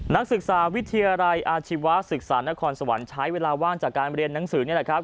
นักศึกษาวิทยาลัยอาชีวศึกษานครสวรรค์ใช้เวลาว่างจากการเรียนหนังสือนี่แหละครับ